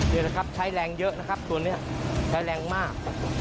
นี่แหละครับใช้แรงเยอะนะครับตัวนี้ใช้แรงมาก